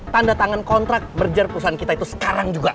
tanda tangan kontrak merger perusahaan kita itu sekarang juga